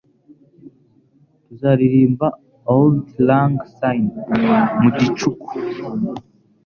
Tuzaririmba "Auld Lang Syne" mu gicuku.